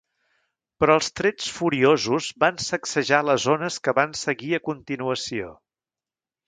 Però els trets furiosos van sacsejar les ones que van seguir a continuació.